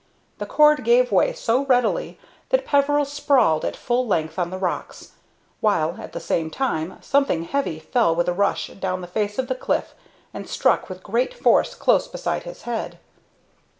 The cord gave way so readily that Peveril sprawled at full length on the rocks, while, at the same time, something heavy fell with a rush down the face of the cliff and struck with great force close beside his head.